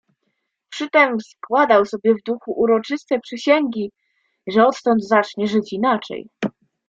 "Przytem składał sobie w duchu uroczyste przysięgi, że odtąd zacznie żyć inaczej."